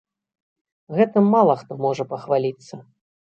Гэтым мала хто можа пахваліцца.